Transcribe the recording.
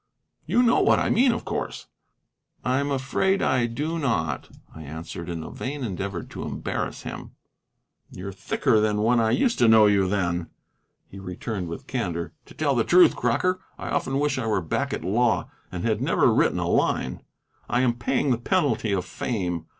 You know what I mean, of course." "I am afraid I do not," I answered, in a vain endeavor to embarrass him. "You're thicker than when I used to know you, then," he returned with candor. "To tell the truth, Crocker, I often wish I were back at the law, and had never written a line. I am paying the penalty of fame.